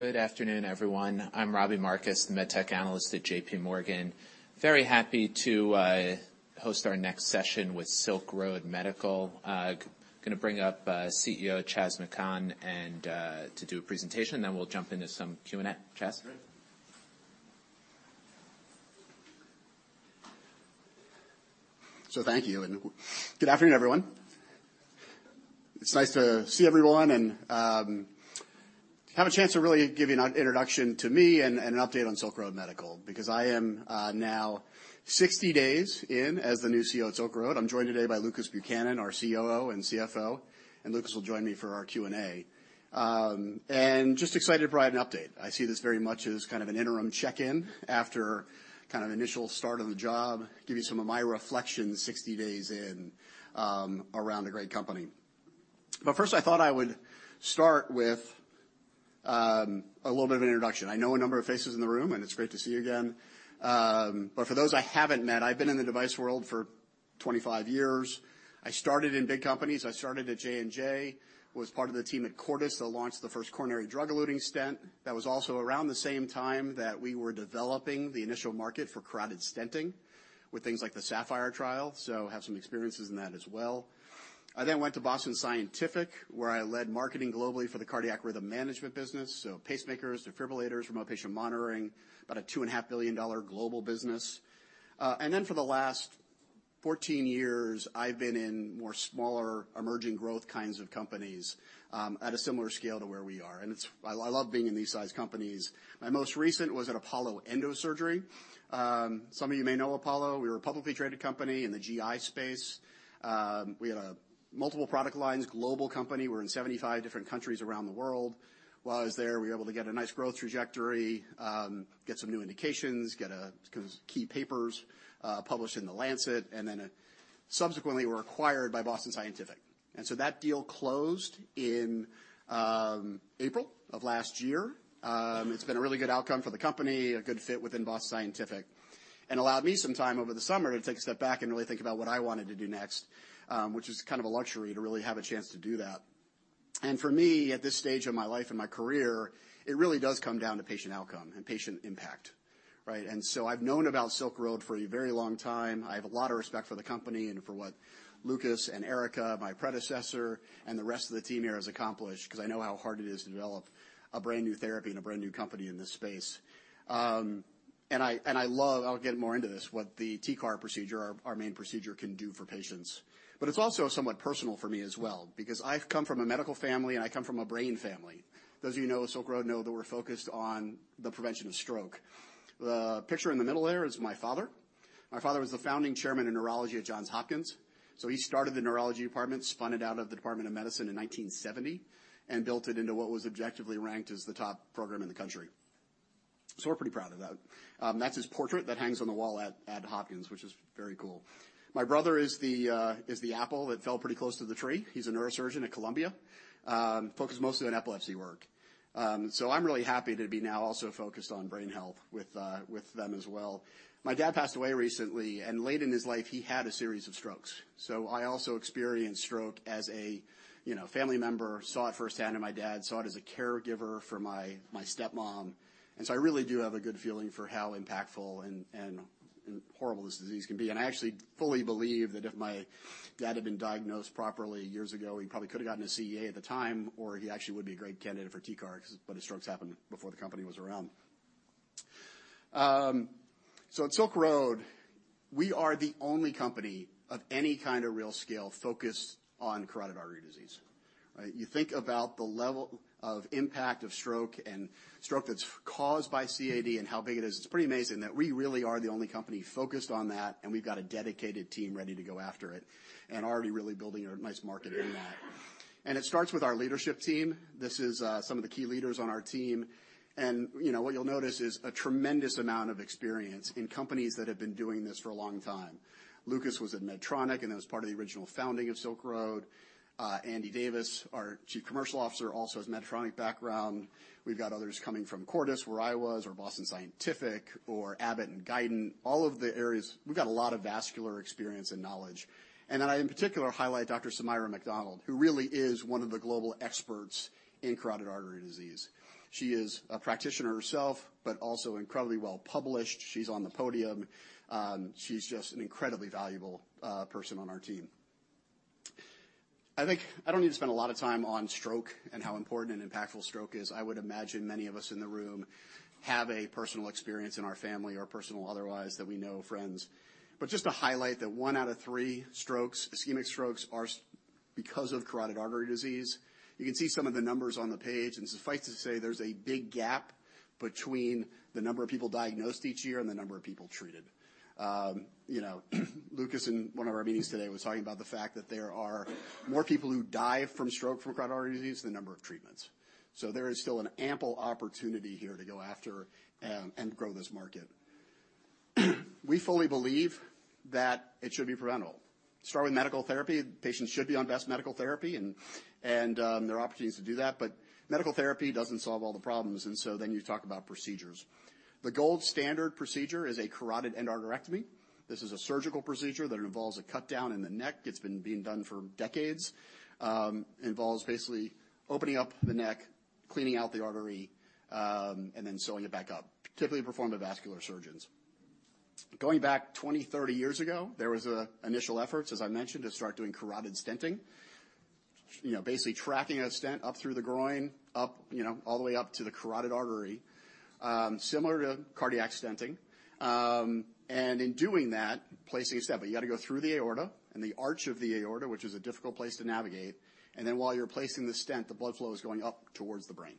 Good afternoon, everyone. I'm Robbie Marcus, the MedTech analyst at J.P. Morgan. Very happy to host our next session with Silk Road Medical. Gonna bring up CEO Chas McKhann, and to do a presentation, and then we'll jump into some Q&A. Chas? So thank you, and good afternoon, everyone. It's nice to see everyone and have a chance to really give you an introduction to me and an update on Silk Road Medical, because I am now 60 days in as the new CEO at Silk Road. I'm joined today by Lucas Buchanan, our COO and CFO, and Lucas will join me for our Q&A. Just excited to provide an update. I see this very much as kind of an interim check-in after kind of initial start of the job, give you some of my reflections 60 days in around a great company. But first, I thought I would start with a little bit of an introduction. I know a number of faces in the room, and it's great to see you again. But for those I haven't met, I've been in the device world for 25 years. I started in big companies. I started at J&J, was part of the team at Cordis that launched the first coronary drug-eluting stent. That was also around the same time that we were developing the initial market for carotid stenting with things like the SAPPHIRE trial, so have some experiences in that as well. I then went to Boston Scientific, where I led marketing globally for the cardiac rhythm management business, so pacemakers, defibrillators, remote patient monitoring, about a $2.5 billion global business. And then for the last 14 years, I've been in more smaller, emerging growth kinds of companies, at a similar scale to where we are, and it's. I love being in these size companies. My most recent was at Apollo Endosurgery. Some of you may know Apollo. We were a publicly traded company in the GI space. We had a multiple product lines, global company. We're in 75 different countries around the world. While I was there, we were able to get a nice growth trajectory, get some new indications, get some key papers published in The Lancet, and then subsequently were acquired by Boston Scientific. And so that deal closed in April of last year. It's been a really good outcome for the company, a good fit within Boston Scientific, and allowed me some time over the summer to take a step back and really think about what I wanted to do next, which is kind of a luxury to really have a chance to do that. For me, at this stage of my life and my career, it really does come down to patient outcome and patient impact, right? So I've known about Silk Road for a very long time. I have a lot of respect for the company and for what Lucas and Erica, my predecessor, and the rest of the team here has accomplished, because I know how hard it is to develop a brand new therapy and a brand new company in this space. And I love, I'll get more into this, what the TCAR procedure, our main procedure, can do for patients. But it's also somewhat personal for me as well, because I've come from a medical family, and I come from a brain family. Those of you who know Silk Road know that we're focused on the prevention of stroke. The picture in the middle there is my father. My father was the founding chairman of neurology at Johns Hopkins, so he started the neurology department, spun it out of the Department of Medicine in 1970, and built it into what was objectively ranked as the top program in the country. So we're pretty proud of that. That's his portrait that hangs on the wall at Hopkins, which is very cool. My brother is the apple that fell pretty close to the tree. He's a neurosurgeon at Columbia, focused mostly on epilepsy work. So I'm really happy to be now also focused on brain health with them as well. My dad passed away recently, and late in his life, he had a series of strokes, so I also experienced stroke as a, you know, family member, saw it firsthand in my dad, saw it as a caregiver for my stepmom. And so I really do have a good feeling for how impactful and horrible this disease can be. And I actually fully believe that if my dad had been diagnosed properly years ago, he probably could have gotten a CEA at the time, or he actually would be a great candidate for TCAR, but his strokes happened before the company was around. So at Silk Road, we are the only company of any kind of real scale focused on carotid artery disease, right? You think about the level of impact of stroke and stroke that's caused by CAD and how big it is. It's pretty amazing that we really are the only company focused on that, and we've got a dedicated team ready to go after it and already really building a nice market in that. It starts with our leadership team. This is some of the key leaders on our team. You know, what you'll notice is a tremendous amount of experience in companies that have been doing this for a long time. Lucas was at Medtronic, and that was part of the original founding of Silk Road. Andy Davis, our Chief Commercial Officer, also has Medtronic background. We've got others coming from Cordis, where I was, or Boston Scientific, or Abbott and Guidant, all of the areas. We've got a lot of vascular experience and knowledge. I, in particular, highlight Dr. Sumaira Macdonald, who really is one of the global experts in carotid artery disease. She is a practitioner herself, but also incredibly well-published. She's on the podium. She's just an incredibly valuable person on our team. I think I don't need to spend a lot of time on stroke and how important and impactful stroke is. I would imagine many of us in the room have a personal experience in our family or personal otherwise, that we know friends. But just to highlight that one out of three strokes, ischemic strokes, are because of carotid artery disease. You can see some of the numbers on the page, and suffice to say there's a big gap between the number of people diagnosed each year and the number of people treated. You know, Lucas, in one of our meetings today, was talking about the fact that there are more people who die from stroke, from carotid artery disease, than the number of treatments. So there is still an ample opportunity here to go after and grow this market. We fully believe that it should be preventable. Start with medical therapy. Patients should be on best medical therapy, and there are opportunities to do that, but medical therapy doesn't solve all the problems, and so then you talk about procedures. The gold standard procedure is a carotid endarterectomy. This is a surgical procedure that involves a cut down in the neck. It's been being done for decades. Involves basically opening up the neck, cleaning out the artery, and then sewing it back up, typically performed by vascular surgeons. Going back 20, 30 years ago, there was initial efforts, as I mentioned, to start doing carotid stenting. You know, basically tracking a stent up through the groin, up, you know, all the way up to the carotid artery, similar to cardiac stenting. And in doing that, placing a stent, but you got to go through the aorta and the arch of the aorta, which is a difficult place to navigate, and then while you're placing the stent, the blood flow is going up towards the brain.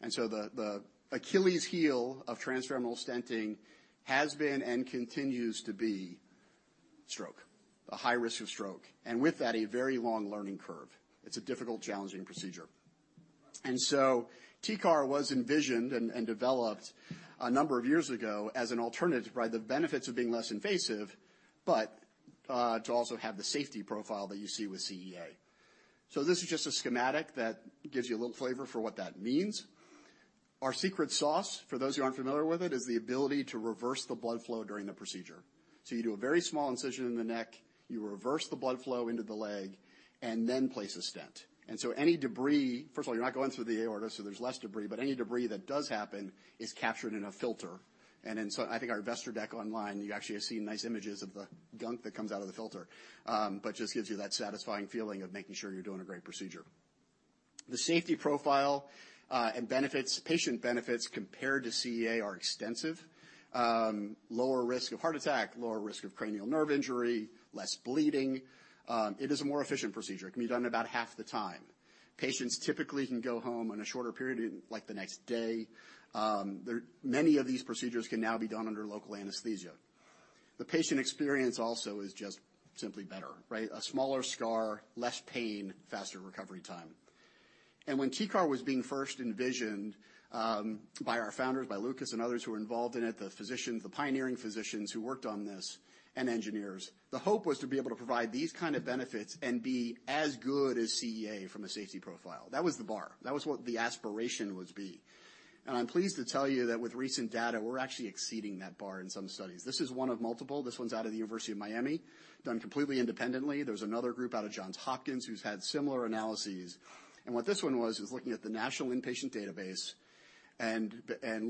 And so the Achilles heel of transfemoral stenting has been and continues to be stroke, a high risk of stroke, and with that, a very long learning curve. It's a difficult, challenging procedure. And so TCAR was envisioned and developed a number of years ago as an alternative, provide the benefits of being less invasive, but to also have the safety profile that you see with CEA. So this is just a schematic that gives you a little flavor for what that means. Our secret sauce, for those who aren't familiar with it, is the ability to reverse the blood flow during the procedure. So you do a very small incision in the neck, you reverse the blood flow into the leg and then place a stent. And so any debris, first of all, you're not going through the aorta, so there's less debris, but any debris that does happen is captured in a filter. And then so I think our investor deck online, you actually have seen nice images of the gunk that comes out of the filter. But just gives you that satisfying feeling of making sure you're doing a great procedure. The safety profile and benefits, patient benefits compared to CEA are extensive. Lower risk of heart attack, lower risk of cranial nerve injury, less bleeding. It is a more efficient procedure. It can be done in about half the time. Patients typically can go home in a shorter period, in, like, the next day. Many of these procedures can now be done under local anesthesia. The patient experience also is just simply better, right? A smaller scar, less pain, faster recovery time. And when TCAR was being first envisioned, by our founders, by Lucas and others who were involved in it, the physicians, the pioneering physicians who worked on this, and engineers, the hope was to be able to provide these kind of benefits and be as good as CEA from a safety profile. That was the bar. That was what the aspiration would be. And I'm pleased to tell you that with recent data, we're actually exceeding that bar in some studies. This is one of multiple. This one's out of the University of Miami, done completely independently. There's another group out of Johns Hopkins who's had similar analyses. And what this one was, is looking at the National Inpatient Database and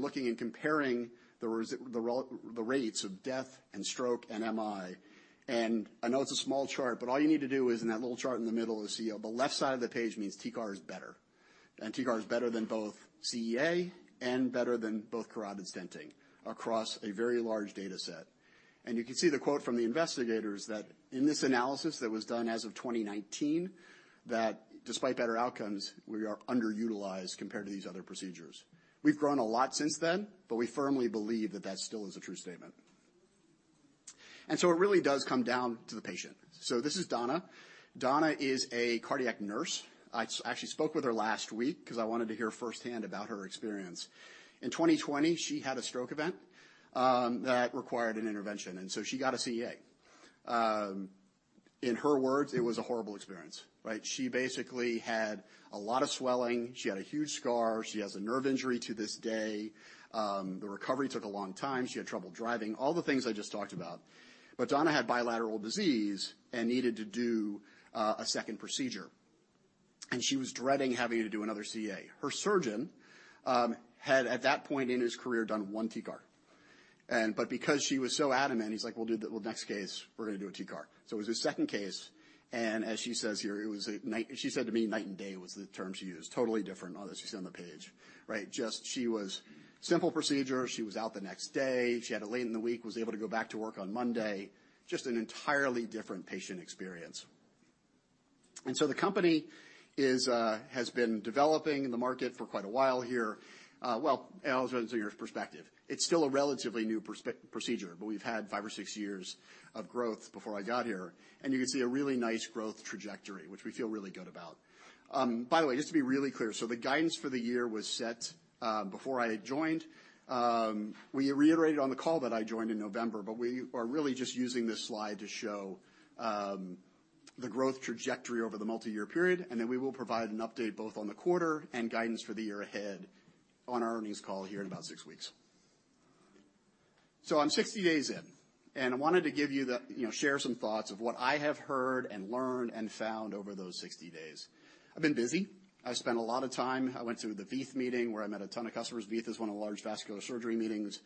looking and comparing the rates of death and stroke and MI. And I know it's a small chart, but all you need to do is in that little chart in the middle is see on the left side of the page means TCAR is better. And TCAR is better than both CEA and better than both carotid stenting across a very large dataset. You can see the quote from the investigators that in this analysis that was done as of 2019, that despite better outcomes, we are underutilized compared to these other procedures. We've grown a lot since then, but we firmly believe that that still is a true statement. So it really does come down to the patient. This is Donna. Donna is a cardiac nurse. I actually spoke with her last week because I wanted to hear firsthand about her experience. In 2020, she had a stroke event that required an intervention, and so she got a CEA. In her words, it was a horrible experience, right? She basically had a lot of swelling. She had a huge scar. She has a nerve injury to this day. The recovery took a long time. She had trouble driving, all the things I just talked about. But Donna had bilateral disease and needed to do a second procedure, and she was dreading having to do another CEA. Her surgeon had at that point in his career done one TCAR. But because she was so adamant, he's like: "We'll do the, well, next case, we're going to do a TCAR." So it was his second case, and as she says here, it was a night—she said to me, night and day was the term she used. Totally different on as she's on the page, right? Just she was simple procedure, she was out the next day. She had it late in the week, was able to go back to work on Monday. Just an entirely different patient experience. The company is has been developing in the market for quite a while here. As well as your perspective, it's still a relatively new procedure, but we've had five or six years of growth before I got here, and you can see a really nice growth trajectory, which we feel really good about. By the way, just to be really clear, so the guidance for the year was set before I had joined. We reiterated on the call that I joined in November, but we are really just using this slide to show the growth trajectory over the multi-year period, and then we will provide an update both on the quarter and guidance for the year ahead on our earnings call here in about six weeks. So I'm 60 days in, and I wanted to give you the, you know, share some thoughts of what I have heard and learned and found over those 60 days. I've been busy. I've spent a lot of time. I went to the VEITH meeting, where I met a ton of customers. VEITH is one of the large vascular surgery meetings.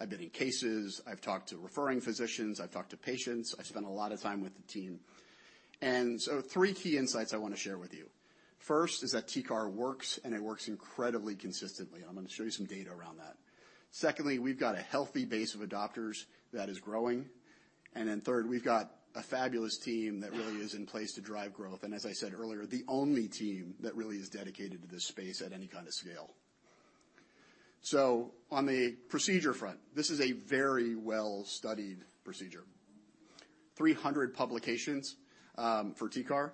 I've been in cases, I've talked to referring physicians, I've talked to patients, I've spent a lot of time with the team. And so three key insights I want to share with you. First, is that TCAR works, and it works incredibly consistently. I'm going to show you some data around that. Secondly, we've got a healthy base of adopters that is growing. And then third, we've got a fabulous team that really is in place to drive growth, and as I said earlier, the only team that really is dedicated to this space at any kind of scale. So on the procedure front, this is a very well-studied procedure. 300 publications for TCAR,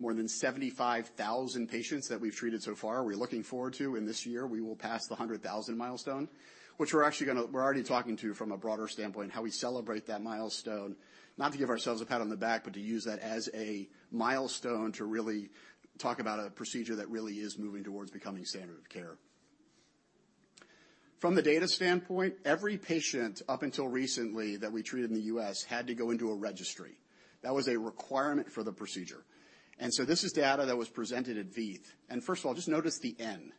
more than 75,000 patients that we've treated so far. We're looking forward to, in this year, we will pass the 100,000 milestone, which we're actually gonna. We're already talking to from a broader standpoint how we celebrate that milestone. Not to give ourselves a pat on the back, but to use that as a milestone to really talk about a procedure that really is moving towards becoming standard of care. From the data standpoint, every patient, up until recently, that we treated in the U.S., had to go into a registry. That was a requirement for the procedure. And so this is data that was presented at VEITH. And first of all, just notice the N.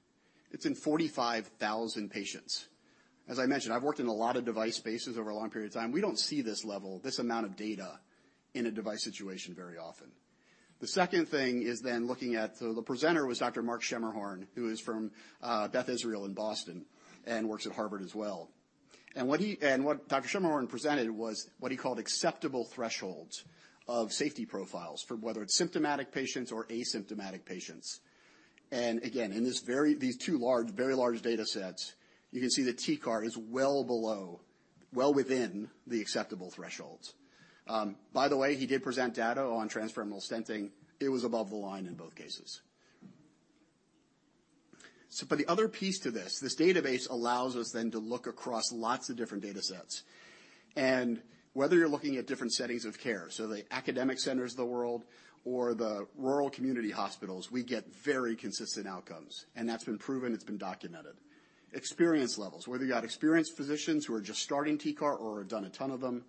It's in 45,000 patients. As I mentioned, I've worked in a lot of device spaces over a long period of time. We don't see this level, this amount of data, in a device situation very often. The second thing is then looking at. So the presenter was Dr. Marc Schermerhorn, who is from Beth Israel in Boston, and works at Harvard as well. And what he and what Dr. Schermerhorn presented was what he called acceptable thresholds of safety profiles, for whether it's symptomatic patients or asymptomatic patients. And again, in these two large, very large data sets, you can see the TCAR is well below, well within the acceptable thresholds. By the way, he did present data on transfemoral stenting. It was above the line in both cases. So but the other piece to this, this database allows us then to look across lots of different data sets. And whether you're looking at different settings of care, so the academic centers of the world or the rural community hospitals, we get very consistent outcomes, and that's been proven, it's been documented. Experience levels, whether you've got experienced physicians who are just starting TCAR or have done a ton of them,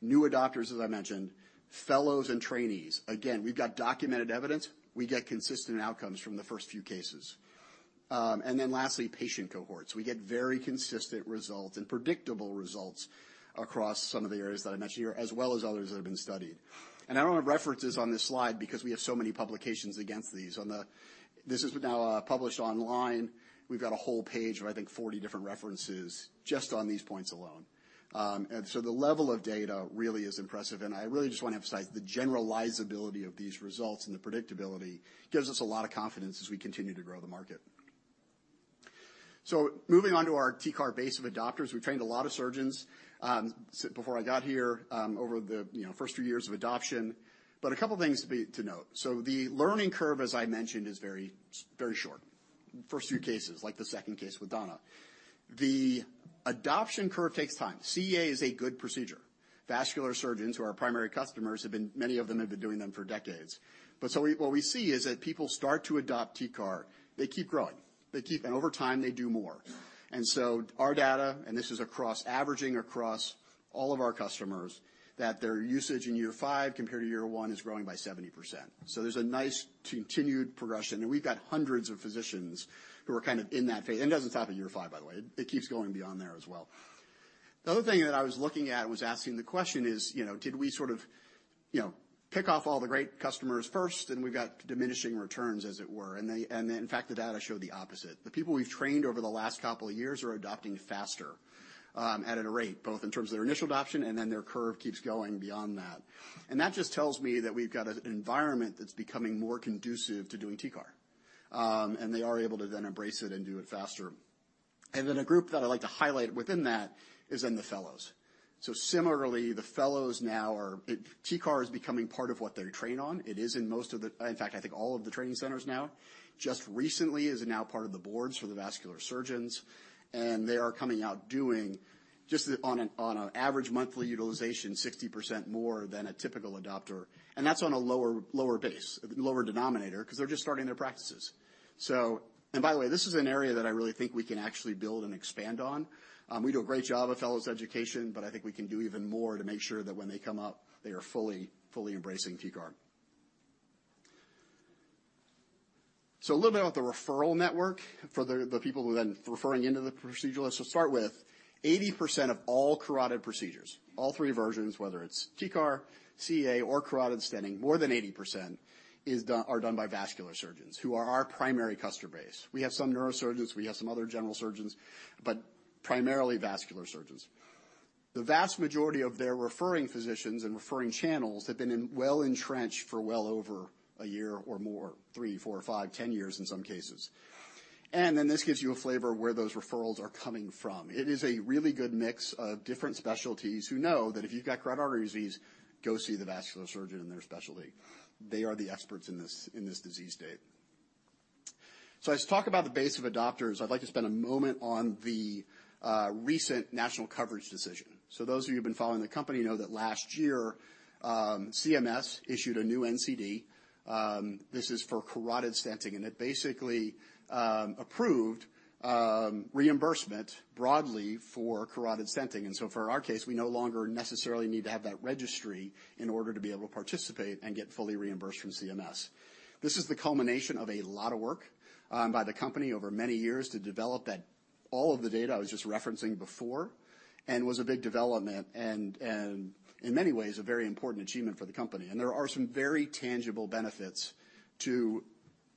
new adopters, as I mentioned, fellows and trainees. Again, we've got documented evidence. We get consistent outcomes from the first few cases. And then lastly, patient cohorts. We get very consistent results and predictable results across some of the areas that I mentioned here, as well as others that have been studied. I don't have references on this slide because we have so many publications against these. This is now published online. We've got a whole page of, I think, 40 different references just on these points alone. And so the level of data really is impressive, and I really just want to emphasize the generalizability of these results, and the predictability gives us a lot of confidence as we continue to grow the market. So moving on to our TCAR base of adopters. We've trained a lot of surgeons before I got here, over the, you know, first few years of adoption. But a couple things to note: so the learning curve, as I mentioned, is very, very short. First few cases, like the second case with Donna. The adoption curve takes time. CEA is a good procedure. Vascular surgeons, who are our primary customers, have been. Many of them have been doing them for decades. So what we see is that people start to adopt TCAR, they keep growing. And over time, they do more. And so our data, and this is across, averaging across all of our customers, that their usage in year five compared to year one is growing by 70%. So there's a nice continued progression, and we've got hundreds of physicians who are kind of in that phase. And it doesn't stop at year five, by the way. It keeps going beyond there as well. The other thing that I was looking at was asking the question is, you know, did we sort of, you know, pick off all the great customers first, and we've got diminishing returns, as it were? In fact, the data show the opposite. The people we've trained over the last couple of years are adopting faster, at a rate, both in terms of their initial adoption, and then their curve keeps going beyond that. And that just tells me that we've got an environment that's becoming more conducive to doing TCAR, and they are able to then embrace it and do it faster. And then a group that I'd like to highlight within that is then the fellows. So similarly, the fellows now are TCAR is becoming part of what they're trained on. It is in most of the... In fact, I think all of the training centers now, just recently, is now part of the boards for the vascular surgeons, and they are coming out doing just on an average monthly utilization, 60% more than a typical adopter, and that's on a lower base, lower denominator, 'cause they're just starting their practices. By the way, this is an area that I really think we can actually build and expand on. We do a great job of fellows' education, but I think we can do even more to make sure that when they come up, they are fully embracing TCAR. A little bit about the referral network for the people who are then referring into the proceduralist. To start with, 80% of all carotid procedures, all three versions, whether it's TCAR, CEA, or carotid stenting, more than 80% is done, are done by vascular surgeons, who are our primary customer base. We have some neurosurgeons, we have some other general surgeons, but primarily vascular surgeons. The vast majority of their referring physicians and referring channels have been in, well-entrenched for well over a year or more, three, four, five, 10 years in some cases. And then this gives you a flavor of where those referrals are coming from. It is a really good mix of different specialties, who know that if you've got carotid artery disease, go see the vascular surgeon in their specialty. They are the experts in this, in this disease state. So as to talk about the base of adopters, I'd like to spend a moment on the recent National Coverage Determination. So those of you who've been following the company know that last year, CMS issued a new NCD. This is for carotid stenting, and it basically approved reimbursement broadly for carotid stenting. And so for our case, we no longer necessarily need to have that registry in order to be able to participate and get fully reimbursed from CMS. This is the culmination of a lot of work by the company over many years to develop that. All of the data I was just referencing before, and was a big development and in many ways a very important achievement for the company. And there are some very tangible benefits to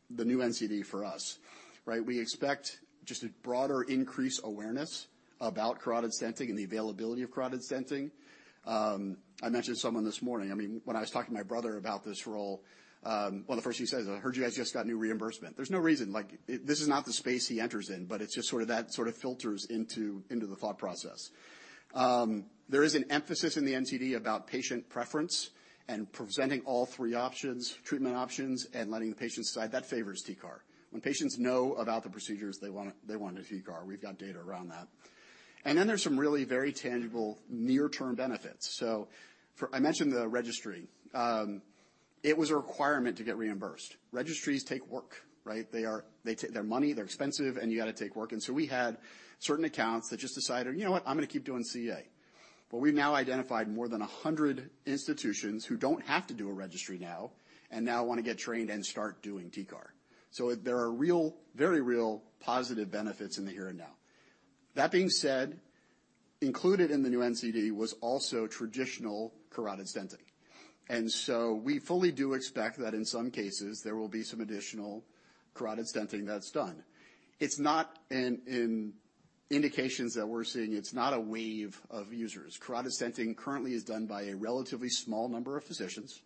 the new NCD for us, right? We expect just a broader increased awareness about carotid stenting and the availability of carotid stenting. I mentioned someone this morning. I mean, when I was talking to my brother about this role, one of the first things he says, "I heard you guys just got new reimbursement." There's no reason, like, this is not the space he enters in, but it's just sort of that sort of filters into, into the thought process. There is an emphasis in the NCD about patient preference and presenting all three options, treatment options, and letting the patients decide. That favors TCAR. When patients know about the procedures, they want, they want a TCAR. We've got data around that. And then there's some really very tangible near-term benefits. So for... I mentioned the registry. It was a requirement to get reimbursed. Registries take work, right? They take their money, they're expensive, and you got to take work. And so we had certain accounts that just decided, "You know what? I'm going to keep doing CEA."... But we've now identified more than 100 institutions who don't have to do a registry now, and now want to get trained and start doing TCAR. So there are real, very real positive benefits in the here and now. That being said, included in the new NCD was also traditional carotid stenting. And so we fully do expect that in some cases, there will be some additional carotid stenting that's done. It's not in indications that we're seeing; it's not a wave of users. Carotid stenting currently is done by a relatively small number of physicians.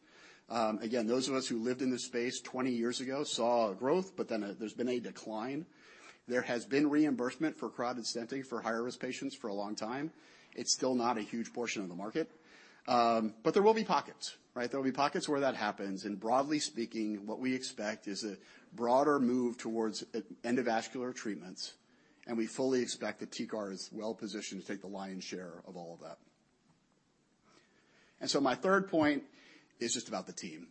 Again, those of us who lived in this space 20 years ago saw a growth, but then, there's been a decline. There has been reimbursement for carotid stenting for high-risk patients for a long time. It's still not a huge portion of the market, but there will be pockets, right? There will be pockets where that happens, and broadly speaking, what we expect is a broader move towards endovascular treatments, and we fully expect that TCAR is well-positioned to take the lion's share of all of that. And so my third point is just about the team.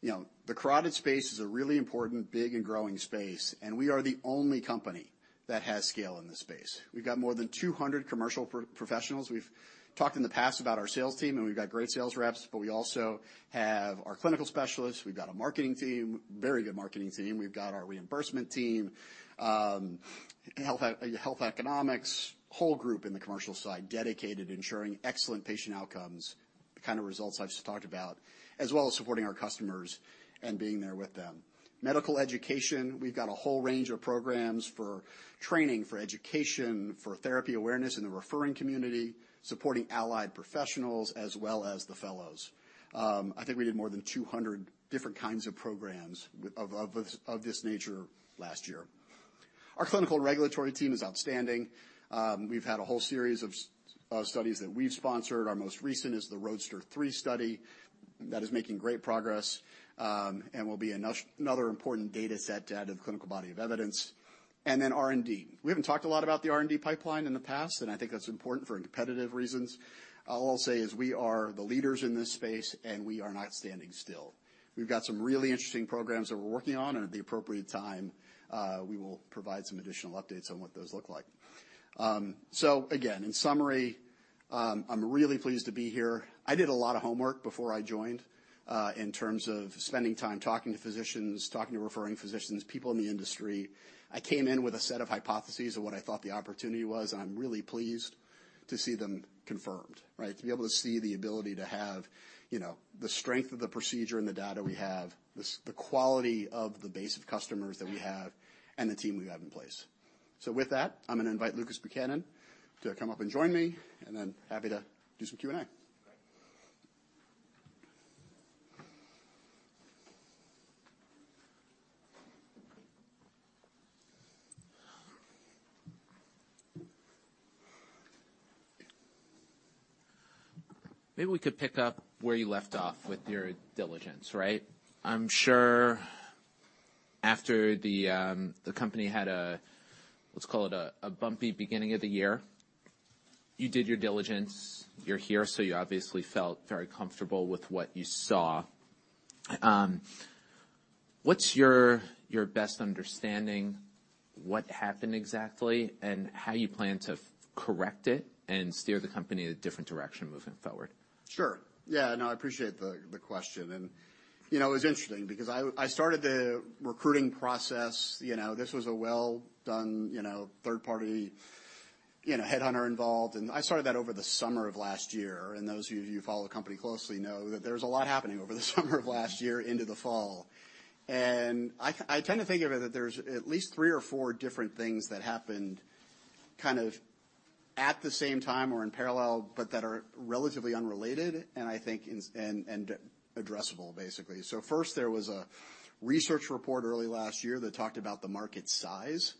You know, the carotid space is a really important, big, and growing space, and we are the only company that has scale in this space. We've got more than 200 commercial professionals. We've talked in the past about our sales team, and we've got great sales reps, but we also have our clinical specialists. We've got a marketing team, very good marketing team. We've got our reimbursement team, health economics, whole group in the commercial side, dedicated to ensuring excellent patient outcomes, the kind of results I've just talked about, as well as supporting our customers and being there with them. Medical education, we've got a whole range of programs for training, for education, for therapy awareness in the referring community, supporting allied professionals, as well as the fellows. I think we did more than 200 different kinds of programs of this nature last year. Our clinical regulatory team is outstanding. We've had a whole series of studies that we've sponsored. Our most recent is the ROADSTER 3 study. That is making great progress, and will be another important data set to add to the clinical body of evidence. And then R&D. We haven't talked a lot about the R&D pipeline in the past, and I think that's important for competitive reasons. All I'll say is we are the leaders in this space, and we are not standing still. We've got some really interesting programs that we're working on, and at the appropriate time, we will provide some additional updates on what those look like. So again, in summary, I'm really pleased to be here. I did a lot of homework before I joined, in terms of spending time talking to physicians, talking to referring physicians, people in the industry. I came in with a set of hypotheses of what I thought the opportunity was, and I'm really pleased to see them confirmed, right? To be able to see the ability to have, you know, the strength of the procedure and the data we have, the quality of the base of customers that we have, and the team we have in place. So with that, I'm going to invite Lucas Buchanan to come up and join me, and then happy to do some Q&A. Maybe we could pick up where you left off with your diligence, right? I'm sure after the company had a, let's call it a bumpy beginning of the year, you did your diligence. You're here, so you obviously felt very comfortable with what you saw. What's your best understanding, what happened exactly, and how you plan to correct it and steer the company in a different direction moving forward? Sure. Yeah, no, I appreciate the question. And, you know, it's interesting because I started the recruiting process, you know, this was a well-done, you know, third party, you know, headhunter involved, and I started that over the summer of last year. And those of you who follow the company closely know that there was a lot happening over the summer of last year into the fall. And I tend to think of it that there's at least three or four different things that happened kind of at the same time or in parallel, but that are relatively unrelated, and I think and addressable, basically. So first, there was a research report early last year that talked about the market size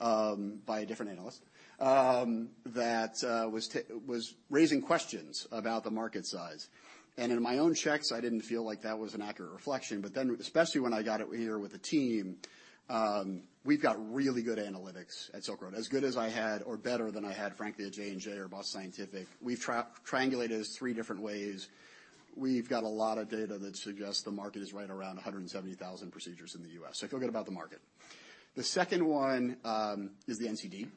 by a different analyst that was raising questions about the market size. In my own checks, I didn't feel like that was an accurate reflection, but then, especially when I got here with the team, we've got really good analytics at Silk Road, as good as I had or better than I had, frankly, at J&J or Boston Scientific. We've triangulated it three different ways. We've got a lot of data that suggests the market is right around 170,000 procedures in the U.S., so I feel good about the market. The second one is the NCD,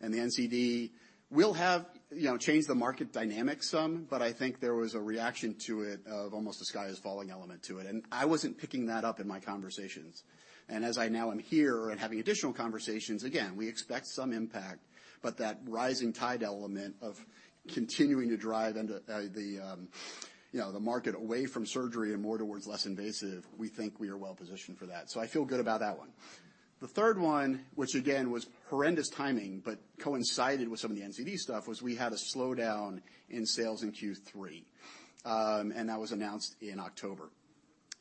and the NCD will have, you know, changed the market dynamic some, but I think there was a reaction to it of almost the sky is falling element to it, and I wasn't picking that up in my conversations. As I now am here and having additional conversations, again, we expect some impact, but that rising tide element of continuing to drive under, the, you know, the market away from surgery and more towards less invasive, we think we are well positioned for that. So I feel good about that one. The third one, which again was horrendous timing, but coincided with some of the NCD stuff, was we had a slowdown in sales in Q3, and that was announced in October.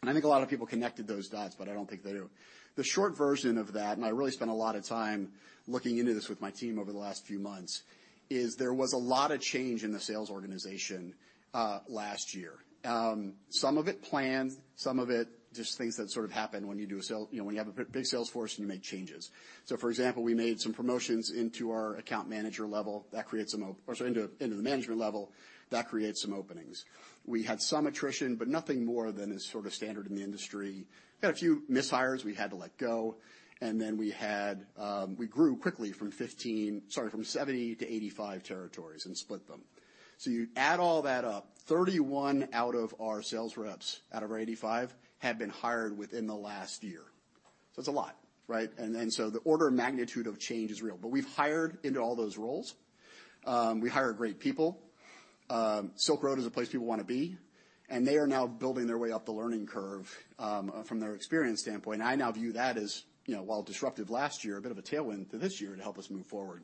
And I think a lot of people connected those dots, but I don't think they do. The short version of that, and I really spent a lot of time looking into this with my team over the last few months, is there was a lot of change in the sales organization, last year. Some of it planned, some of it just things that sort of happen when you do a sale—you know, when you have a big sales force, and you make changes. So, for example, we made some promotions into our account manager level. That creates some or sorry, into, into the management level. That creates some openings. We had some attrition, but nothing more than is sort of standard in the industry. We had a few mishires we had to let go, and then we had, we grew quickly from 70 to 85 territories and split them. So you add all that up, 31 out of our sales reps, out of our 85, had been hired within the last year. So it's a lot, right? And then, so the order of magnitude of change is real. But we've hired into all those roles. We hired great people. Silk Road is a place people want to be, and they are now building their way up the learning curve, from their experience standpoint. I now view that as, you know, while disruptive last year, a bit of a tailwind to this year to help us move forward.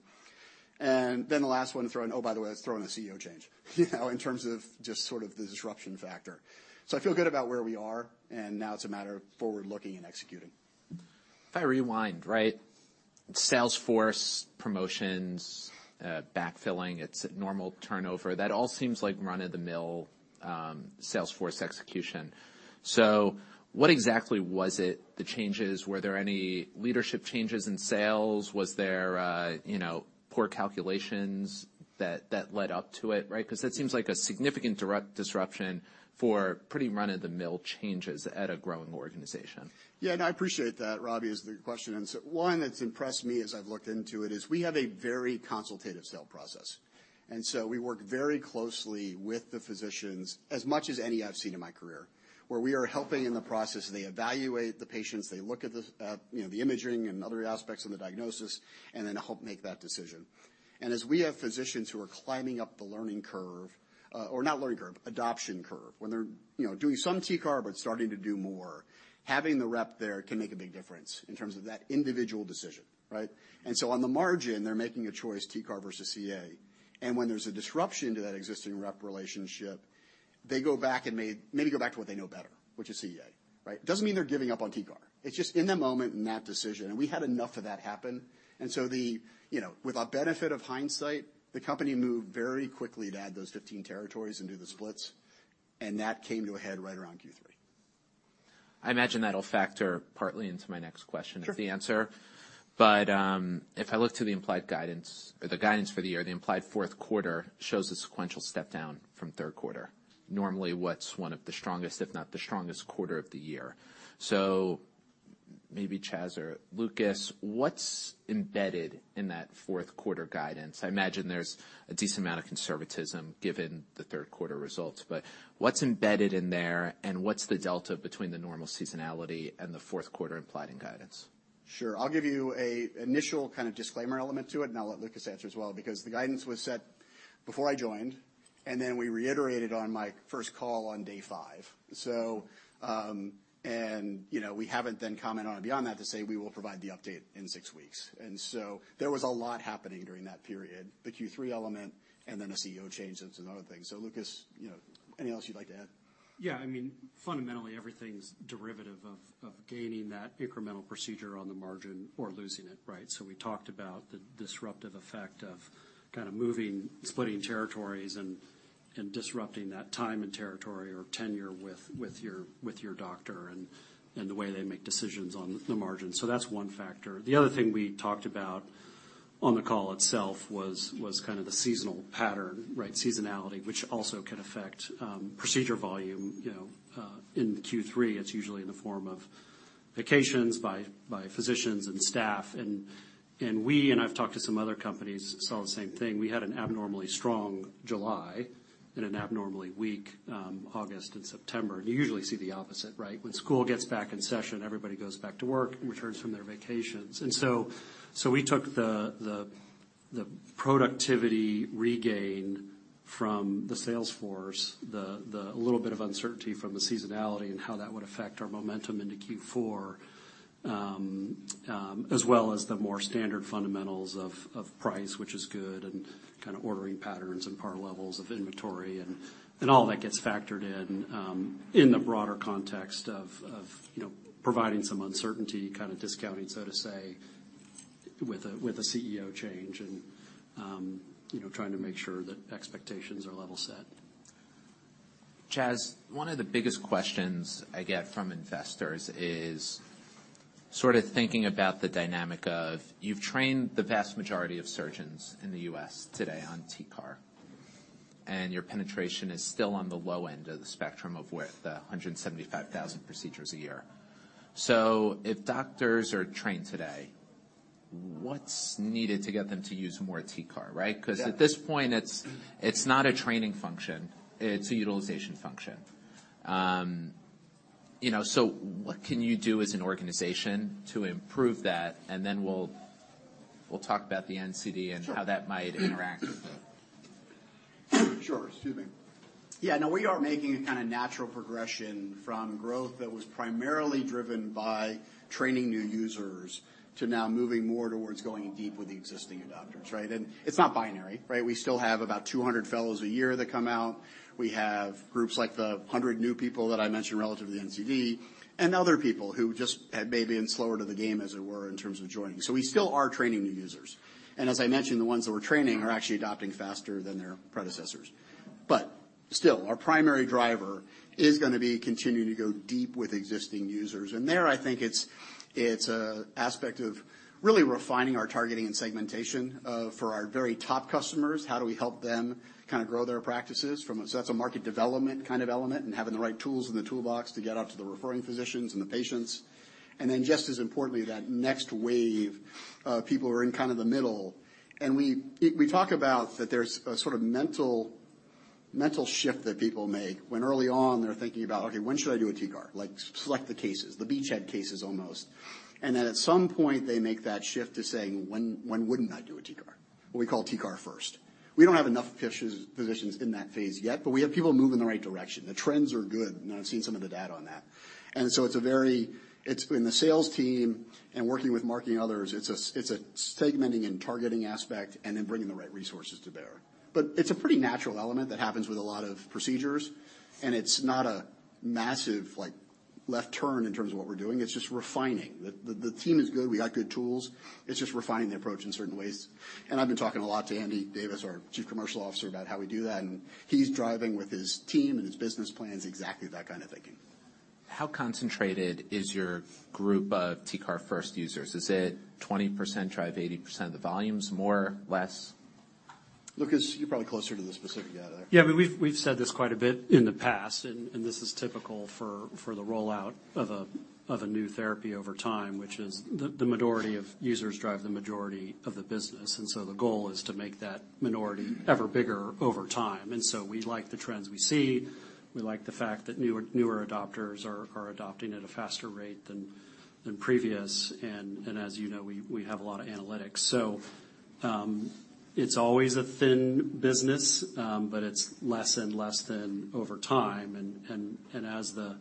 And then the last one, throw in, oh, by the way, let's throw in a CEO change, you know, in terms of just sort of the disruption factor. So I feel good about where we are, and now it's a matter of forward-looking and executing. If I rewind, right, sales force, promotions, backfilling, it's normal turnover. That all seems like run-of-the-mill, sales force execution. So what exactly was it, the changes? Were there any leadership changes in sales? Was there, you know, poor calculations that, that led up to it, right? Because that seems like a significant direct disruption for pretty run-of-the-mill changes at a growing organization. Yeah, and I appreciate that, Robbie, is the question. And so one, that's impressed me as I've looked into it, is we have a very consultative sales process. And so we work very closely with the physicians, as much as any I've seen in my career, where we are helping in the process. They evaluate the patients, they look at the, you know, the imaging and other aspects of the diagnosis, and then help make that decision. And as we have physicians who are climbing up the learning curve, or not learning curve, adoption curve, when they're, you know, doing some TCAR, but starting to do more, having the rep there can make a big difference in terms of that individual decision, right? And so on the margin, they're making a choice, TCAR versus CA. When there's a disruption to that existing rep relationship, they go back and may, maybe go back to what they know better, which is CA, right? It doesn't mean they're giving up on TCAR. It's just in that moment, in that decision, and we had enough of that happen. And so the, you know, with a benefit of hindsight, the company moved very quickly to add those 15 territories and do the splits, and that came to a head right around Q3. I imagine that'll factor partly into my next question. Sure. But, if I look to the implied guidance or the guidance for the year, the implied fourth quarter shows a sequential step down from third quarter. Normally, what's one of the strongest, if not the strongest quarter of the year. So maybe Chas or Lucas, what's embedded in that fourth quarter guidance? I imagine there's a decent amount of conservatism, given the third quarter results, but what's embedded in there, and what's the delta between the normal seasonality and the fourth quarter implied in guidance? Sure. I'll give you an initial kind of disclaimer element to it, and I'll let Lucas answer as well, because the guidance was set before I joined, and then we reiterated on my first call on day five. So, you know, we haven't then commented on it beyond that to say, we will provide the update in six weeks. And so there was a lot happening during that period, the Q3 element, and then a CEO change, and some other things. So, Lucas, you know, anything else you'd like to add? Yeah, I mean, fundamentally, everything's derivative of gaining that incremental procedure on the margin or losing it, right? So we talked about the disruptive effect of kind of moving, splitting territories and disrupting that time and territory or tenure with your doctor and the way they make decisions on the margins. So that's one factor. The other thing we talked about on the call itself was kind of the seasonal pattern, right? Seasonality, which also can affect procedure volume. You know, in Q3, it's usually in the form of vacations by physicians and staff. And I've talked to some other companies, saw the same thing. We had an abnormally strong July and an abnormally weak August and September. You usually see the opposite, right? When school gets back in session, everybody goes back to work and returns from their vacations. And so we took the productivity regain from the sales force, the little bit of uncertainty from the seasonality and how that would affect our momentum into Q4, as well as the more standard fundamentals of price, which is good, and kind of ordering patterns and par levels of inventory and all that gets factored in, in the broader context of, you know, providing some uncertainty, kind of discounting, so to say, with a CEO change and you know, trying to make sure that expectations are level set. Chas, one of the biggest questions I get from investors is sort of thinking about the dynamic of, you've trained the vast majority of surgeons in the U.S. today on TCAR, and your penetration is still on the low end of the spectrum of with 175,000 procedures a year. So if doctors are trained today, what's needed to get them to use more TCAR, right? Yeah. 'Cause at this point, it's not a training function, it's a utilization function. You know, so what can you do as an organization to improve that? And then we'll talk about the NCD- Sure. And how that might interact with it. Sure. Excuse me. Yeah, now we are making a kind of natural progression from growth that was primarily driven by training new users, to now moving more towards going deep with the existing adopters, right? And it's not binary, right? We still have about 200 fellows a year that come out. We have groups like the 100 new people that I mentioned relative to the NCD, and other people who just had maybe been slower to the game, as it were, in terms of joining. So we still are training new users. And as I mentioned, the ones that we're training are actually adopting faster than their predecessors. But still, our primary driver is going to be continuing to go deep with existing users. And there, I think it's, it's a aspect of really refining our targeting and segmentation for our very top customers. How do we help them kind of grow their practices? So that's a market development kind of element, and having the right tools in the toolbox to get out to the referring physicians and the patients. Then, just as importantly, that next wave of people who are in kind of the middle. We talk about that there's a sort of mental shift that people make when early on they're thinking about: Okay, when should I do a TCAR? Like, select the cases, the beachhead cases, almost. Then at some point, they make that shift to saying: When wouldn't I do a TCAR? What we call TCAR first. We don't have enough physicians in that phase yet, but we have people moving in the right direction. The trends are good, and I've seen some of the data on that. So it's a very—it's been the sales team and working with marketing, others. It's a segmenting and targeting aspect and then bringing the right resources to bear. But it's a pretty natural element that happens with a lot of procedures, and it's not a massive, like, left turn in terms of what we're doing. It's just refining. The team is good. We got good tools. It's just refining the approach in certain ways. And I've been talking a lot to Andy Davis, our Chief Commercial Officer, about how we do that, and he's driving with his team and his business plans, exactly that kind of thinking. How concentrated is your group of TCAR first users? Is it 20% drive 80% of the volumes, more, less? Lucas, you're probably closer to the specific data there. Yeah, but we've said this quite a bit in the past, and this is typical for the rollout of a new therapy over time, which is the majority of users drive the majority of the business, and so the goal is to make that minority ever bigger over time. And so we like the trends we see. We like the fact that newer adopters are adopting at a faster rate than previous. And as you know, we have a lot of analytics. So, it's always a thin business, but it's less and less than over time. And as the,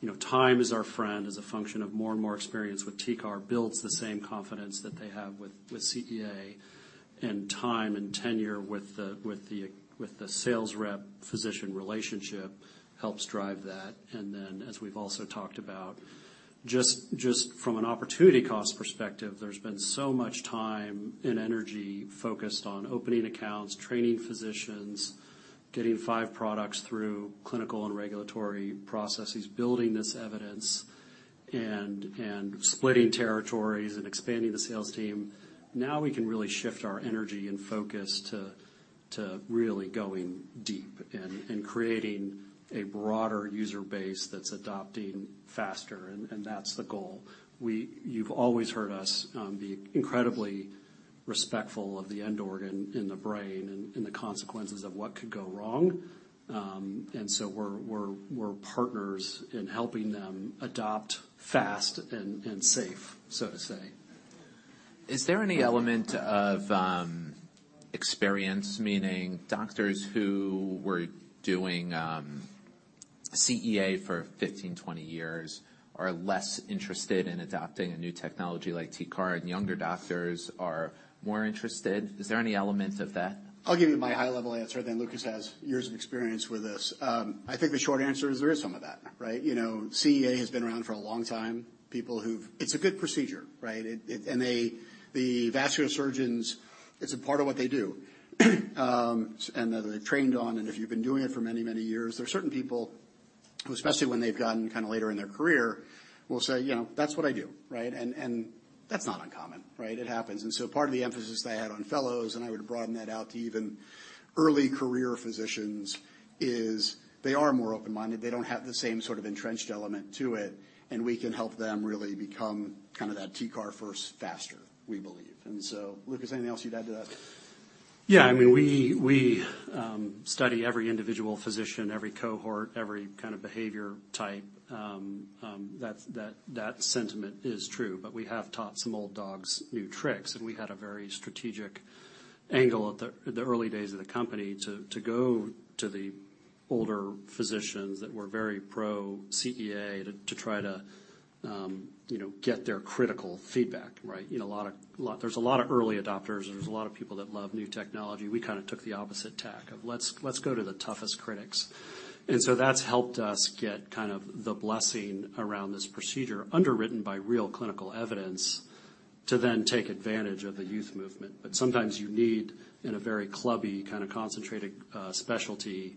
you know, time is our friend, as a function of more and more experience with TCAR builds the same confidence that they have with CEA, and time and tenure with the sales rep-physician relationship helps drive that. And then, as we've also talked about, just from an opportunity cost perspective, there's been so much time and energy focused on opening accounts, training physicians, getting five products through clinical and regulatory processes, building this evidence and splitting territories and expanding the sales team. Now we can really shift our energy and focus to really going deep and creating a broader user base that's adopting faster, and that's the goal. You've always heard us be incredibly respectful of the end organ in the brain and the consequences of what could go wrong. So we're partners in helping them adopt fast and safe, so to say. Is there any element of experience, meaning doctors who were doing CEA for 15, 20 years, are less interested in adopting a new technology like TCAR, and younger doctors are more interested? Is there any element of that? I'll give you my high-level answer, then Lucas has years of experience with this. I think the short answer is there is some of that, right? You know, CEA has been around for a long time. People who've, it's a good procedure, right? It, it, and they, the vascular surgeons, it's a part of what they do, and that they've trained on, and if you've been doing it for many, many years, there are certain people, especially when they've gotten kind of later in their career, will say, "You know, that's what I do," right? And, and that's not uncommon, right? It happens. And so part of the emphasis I had on fellows, and I would broaden that out to even early career physicians, is they are more open-minded. They don't have the same sort of entrenched element to it, and we can help them really become kind of that TCAR first, faster, we believe. And so, Lucas, anything else you'd add to that? Yeah. I mean, we study every individual physician, every cohort, every kind of behavior type. That sentiment is true, but we have taught some old dogs new tricks, and we had a very strategic angle at the early days of the company to go to the older physicians that were very pro-CEA, to try to, you know, get their critical feedback, right? You know, there's a lot of early adopters, and there's a lot of people that love new technology. We kind of took the opposite tack of, let's go to the toughest critics. And so that's helped us get kind of the blessing around this procedure, underwritten by real clinical evidence, to then take advantage of the youth movement. But sometimes you need, in a very clubby, kind of concentrated specialty,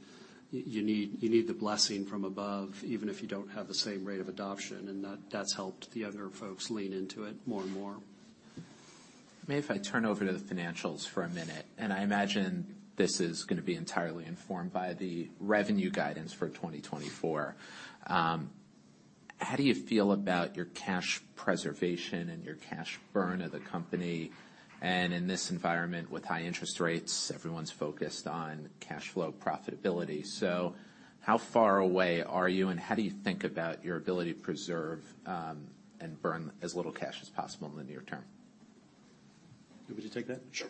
you need the blessing from above, even if you don't have the same rate of adoption, and that's helped the other folks lean into it more and more. May I, if I turn over to the financials for a minute, and I imagine this is going to be entirely informed by the revenue guidance for 2024. How do you feel about your cash preservation and your cash burn of the company? And in this environment, with high interest rates, everyone's focused on cash flow profitability. So how far away are you, and how do you think about your ability to preserve, and burn as little cash as possible in the near term? You want me to take that? Sure.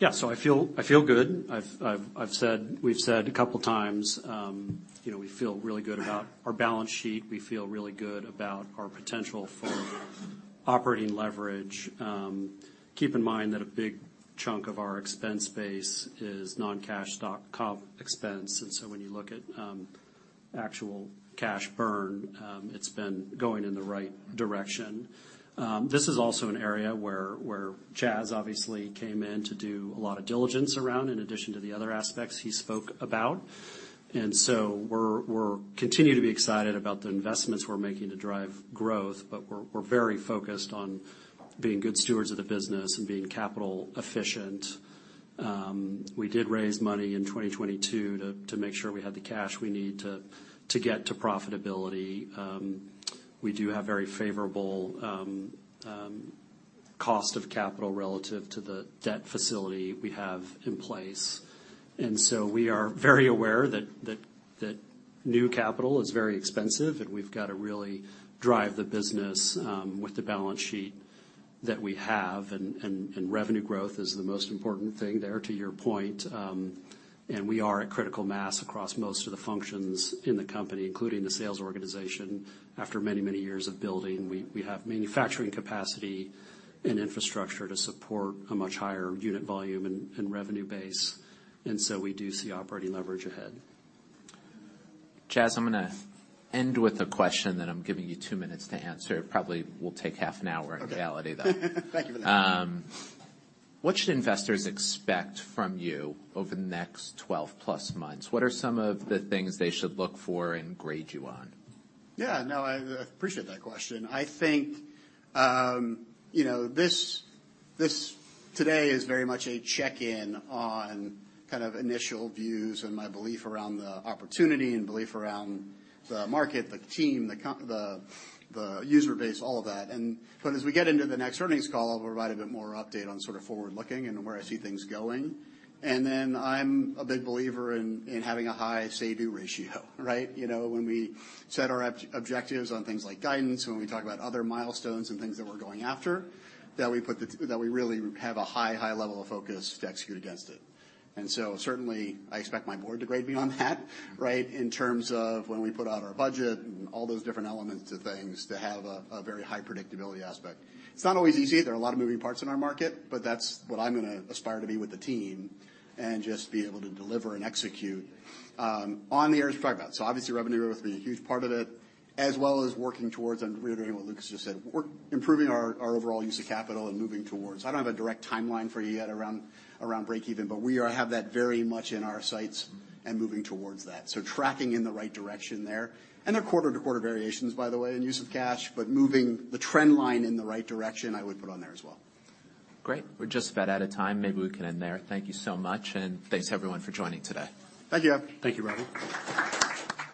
Yeah. So I feel good. I've said—we've said a couple times, you know, we feel really good about our balance sheet. We feel really good about our potential for operating leverage. Keep in mind that a big chunk of our expense base is non-cash stock comp expense, and so when you look at actual cash burn, it's been going in the right direction. This is also an area where Chas obviously came in to do a lot of diligence around, in addition to the other aspects he spoke about. And so we continue to be excited about the investments we're making to drive growth, but we're very focused on being good stewards of the business and being capital efficient. We did raise money in 2022 to make sure we had the cash we need to get to profitability. We do have very favorable cost of capital relative to the debt facility we have in place. And so we are very aware that new capital is very expensive, and we've got to really drive the business with the balance sheet that we have, and revenue growth is the most important thing there, to your point. And we are at critical mass across most of the functions in the company, including the sales organization. After many years of building, we have manufacturing capacity and infrastructure to support a much higher unit volume and revenue base, and so we do see operating leverage ahead. Chas, I'm gonna end with a question, then I'm giving you 2 minutes to answer. It probably will take half an hour- Okay. In reality, though. Thank you for that. What should investors expect from you over the next 12+ months? What are some of the things they should look for and grade you on? Yeah, no, I appreciate that question. I think, you know, this today is very much a check-in on kind of initial views and my belief around the opportunity and belief around the market, the team, the user base, all of that. But as we get into the next earnings call, I'll provide a bit more update on sort of forward looking and where I see things going. Then I'm a big believer in having a high say-do ratio, right? You know, when we set our objectives on things like guidance, when we talk about other milestones and things that we're going after, that we really have a high, high level of focus to execute against it. So certainly, I expect my board to grade me on that, right? In terms of when we put out our budget and all those different elements to things to have a very high predictability aspect. It's not always easy. There are a lot of moving parts in our market, but that's what I'm gonna aspire to be with the team and just be able to deliver and execute on the areas we talked about. So obviously, revenue growth will be a huge part of it, as well as working towards and reiterating what Lucas just said. We're improving our overall use of capital and moving towards. I don't have a direct timeline for you yet around breakeven, but we have that very much in our sights and moving towards that. So tracking in the right direction there. They're quarter-to-quarter variations, by the way, in use of cash, but moving the trend line in the right direction, I would put on there as well. Great. We're just about out of time. Maybe we can end there. Thank you so much, and thanks, everyone, for joining today. Thank you. Thank you, Robbie.